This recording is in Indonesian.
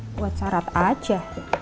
buat syarat aja